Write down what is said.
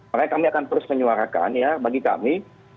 makanya kami akan terus menyuarakan ya bagi kami